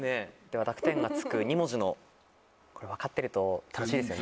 では濁点が付く２文字のこれ分かってると楽しいですよね。